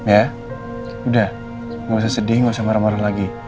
ya udah gak usah sedih nggak usah marah marah lagi